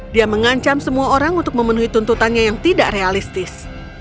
dia mengancam semua orang untuk memenuhi tuntutannya yang tidak realistis